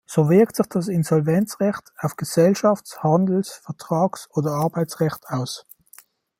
So wirkt sich das Insolvenzrecht auf Gesellschafts-, Handels-, Vertrags- oder Arbeitsrecht aus.